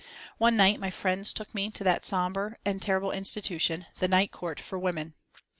One night my friends took me to that sombre and terrible institution, the Night Court for Women.